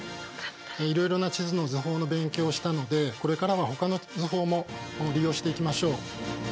いろいろな地図の図法の勉強をしたのでこれからはほかの図法も利用していきましょう。